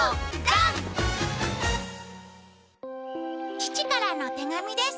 父からの手紙です。